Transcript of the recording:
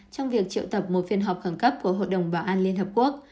trong việc triệu tập một phiên họp khẩn cấp của hội đồng bảo an liên hợp quốc